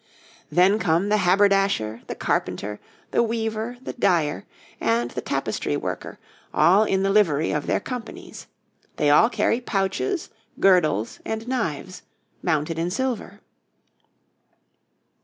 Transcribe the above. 'Then come the HABERDASHER, the CARPENTER, the WEAVER, the DYER, and the TAPESTRY WORKER, all in the livery of their companies. They all carry pouches, girdles, and knives, mounted in silver.'